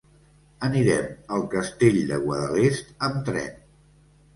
Anirem al Castell de Guadalest amb tren.